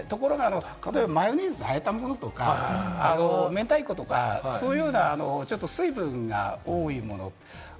ところが例えば、マヨネーズで和えたものとか、明太子とか、そういうような水分が多いもの。